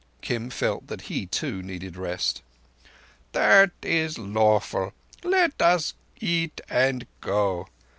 Kim felt that he too needed rest. "That is lawful. Let us eat and go.